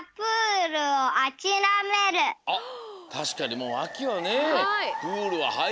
たしかにもうあきはねえプールははいれない。